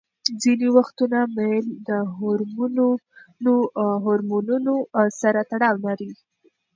ځینې وختونه میل د هورمونونو سره تړاو نلري.